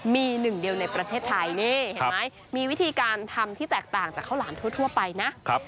มีหนึ่งเดียวในประเทศไทยนี่เห็นไหมมีวิธีการทำที่แตกต่างจากข้าวหลามทั่วไปนะ